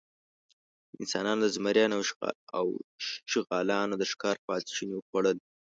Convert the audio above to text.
انسانانو د زمریانو او شغالانو د ښکار پاتېشوني خوړل.